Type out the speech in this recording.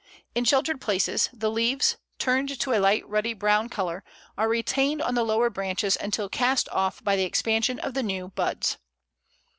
In sheltered places the leaves, turned to a light ruddy brown colour, are retained on the lower branches until cast off by the expansion of the new buds.